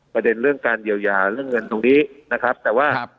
ประเด็นเรื่องการเยียวยาเรื่องเงินตรงนี้นะครับแต่ว่า